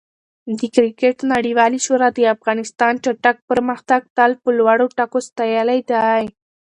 د کرکټ نړیوالې شورا د افغانستان چټک پرمختګ تل په لوړو ټکو ستایلی دی.